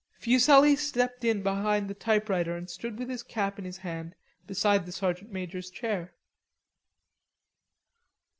Fuselli slipped in behind the typewriter and stood with his cap in his hand beside the sergeant major's chair.